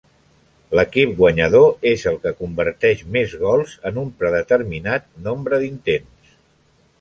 L'equip guanyador és el que converteix més gols en un predeterminat nombre d'intents.